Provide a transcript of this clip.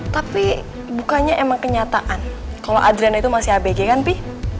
tapi bukannya emang kenyataan kalau adran itu masih abg kan pi